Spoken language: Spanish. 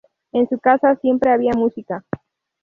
En su casa siempre había música.